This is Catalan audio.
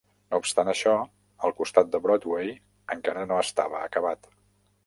No obstant això, el costat de Broadway encara no estava acabat.